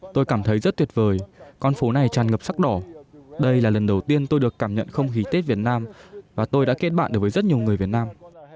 tôi cảm thấy rất tuyệt vời con phố này tràn ngập sắc đỏ đây là lần đầu tiên tôi được cảm nhận không khí tết việt nam và tôi đã kết bạn được với rất nhiều người việt nam